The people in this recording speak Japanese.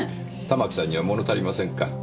たまきさんには物足りませんか？